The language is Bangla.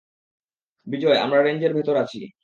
বিজয়, আমরা রেঞ্জের ভেতর আছি।